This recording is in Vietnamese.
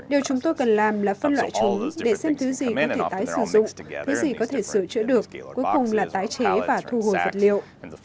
điều chúng tôi cần làm là phân loại chúng để xem thứ gì có thể tái sử dụng thứ gì có thể sửa chữa được cuối cùng là tái chế và thu hồi vật liệu